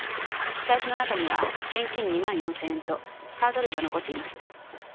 財布の中には現金２万４，０００円とカード類は残っています。